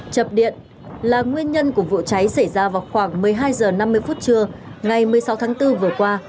chập điện là nguyên nhân của vụ cháy xảy ra vào khoảng một mươi hai h năm mươi trưa ngày một mươi sáu tháng bốn vừa qua